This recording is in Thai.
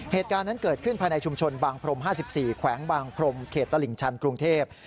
เหตุการณ์นั้นเกิดขึ้นภายในชุมชนบางพรม๕๔แขวงบางพรมเขตตลิ่งชันกรุงเทพ